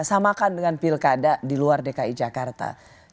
samakan dengan pilkada di luar dki jakarta